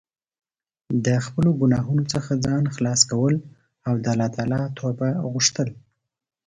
د خپلو ګناهونو څخه ځان خلاص کول او د الله توبه غوښتل.